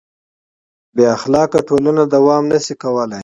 بېاخلاقه ټولنه دوام نهشي کولی.